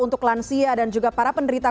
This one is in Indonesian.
untuk lansia dan juga para penderita